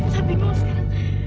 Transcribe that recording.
tapi bu sekarang